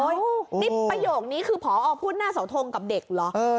นี่ประโยคนี้คือพอพูดหน้าเสาทงกับเด็กเหรอ